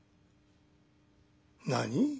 「何？」。